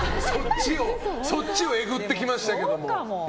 そっちをえぐってきましたけども。